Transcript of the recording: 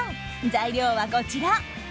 材料は、こちら。